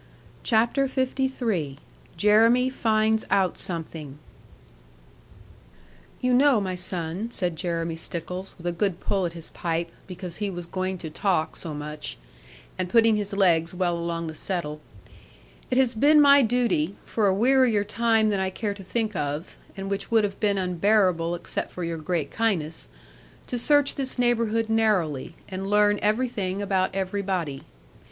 CHAPTER LIII JEREMY FINDS OUT SOMETHING 'You know, my son,' said Jeremy Stickles, with a good pull at his pipe, because he was going to talk so much, and putting his legs well along the settle; 'it has been my duty, for a wearier time than I care to think of (and which would have been unbearable, except for your great kindness), to search this neighbourhood narrowly, and learn everything about everybody.